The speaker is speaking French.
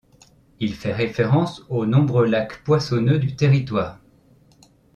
Il fait référence aux nombreux lacs poissonneux du territoire '.